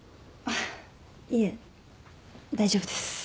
いえ大丈夫です。